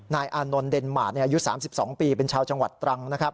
นายอานนลเดนมารอายุ๓๒ปีเป็นชาวจังหวัดตรัง